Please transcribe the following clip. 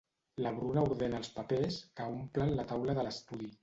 La Bruna ordena els papers que omplen la taula de l'estudi.